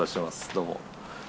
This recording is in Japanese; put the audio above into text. どうも。